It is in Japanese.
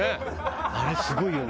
あれすごいよね